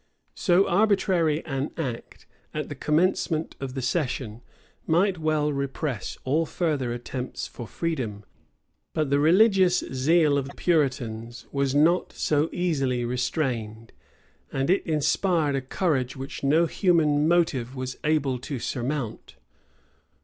So arbitrary an act, at the commencement of the session, might well repress all further attempts for freedom: but the religious zeal of the puritans was not so easily restrained; and it inspired a courage which no human motive was able to surmount.